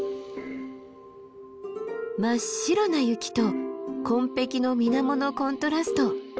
真っ白な雪と紺ぺきの水面のコントラスト。